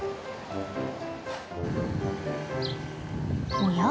おや？